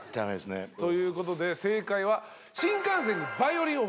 ということで正解は。